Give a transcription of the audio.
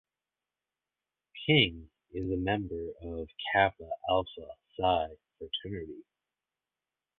King is a member of Kappa Alpha Psi fraternity.